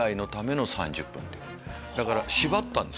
だから絞ったんですね。